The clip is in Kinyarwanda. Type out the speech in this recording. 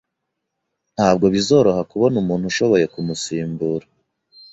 Ntabwo bizoroha kubona umuntu ushoboye kumusimbura